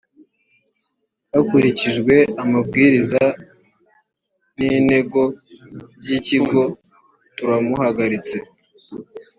hakurikijwe amabwiriza n intego byi ikigo turamuhagaritse